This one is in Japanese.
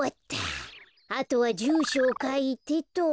あとはじゅうしょをかいてと。